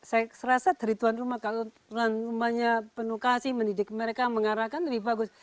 saya rasa dari tuan rumah kalau tuan rumahnya penuh kasih mendidik mereka mengarahkan lebih bagus